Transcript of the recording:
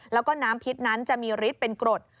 แล้วก็น้ำพิษนั้นจะมีฤทธิ์เป็นกรด